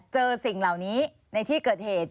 สิ่งเหล่านี้ในที่เกิดเหตุ